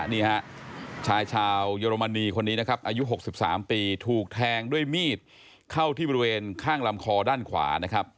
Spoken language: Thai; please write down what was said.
นี่ฮะชายชาวเยอรมนีคนนี้นะครับอายุ๖๓ปีถูกแทงด้วยมีดเข้าที่บริเวณข้างลำคอด้านขวานะครับ